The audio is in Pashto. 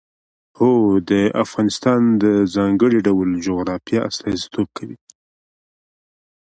هوا د افغانستان د ځانګړي ډول جغرافیه استازیتوب کوي.